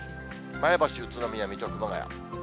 前橋、宇都宮、水戸、熊谷。